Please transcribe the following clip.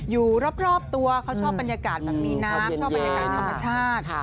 อยู่รอบตัวเขาชอบบรรยากาศแบบมีน้ำชอบบรรยากาศธรรมชาติ